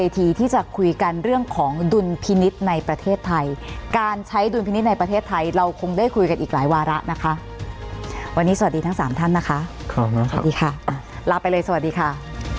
นะคะสวัสดีค่ะลาไปเลยสวัสดีค่ะ